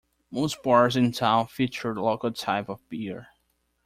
Most bars in town feature local type of beer.